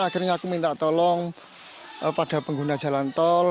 akhirnya aku minta tolong pada pengguna jalan tol